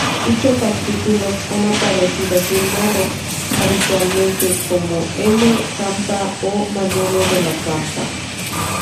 Dichos artículos han aparecido firmados, habitualmente, como M. Campa o Manolo de la Campa.